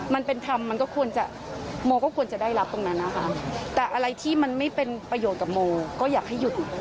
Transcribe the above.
มันเป็นธรรมมันก็ควรจะโมก็ควรจะได้รับตรงนั้นนะคะ